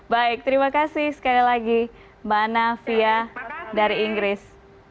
baik terima kasih sekali lagi mbak anavia dari inggris